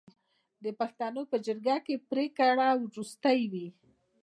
د پښتنو په جرګه کې پریکړه وروستۍ وي.